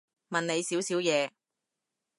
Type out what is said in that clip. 問你少少嘢